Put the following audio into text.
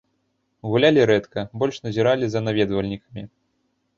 Гулялі рэдка, больш назіралі за наведвальнікамі.